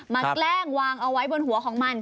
แกล้งวางเอาไว้บนหัวของมัน